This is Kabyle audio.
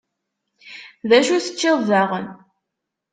D acu teččiḍ daɣen?